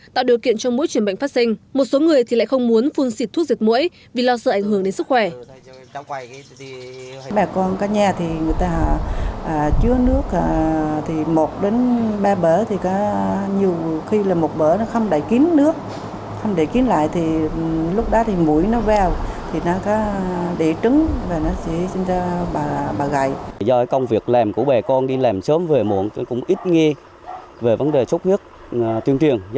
tạo điều kiện cho mỗi chuyển bệnh phát sinh một số người lại không muốn phun xịt thuốc dịch mũi vì lo sợ ảnh hưởng đến sức khỏe